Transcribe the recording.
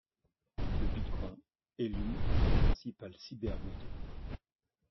Le bitcoin est l’une des principales cybermonnaies.